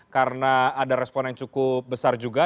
karena ada respon yang cukup besar juga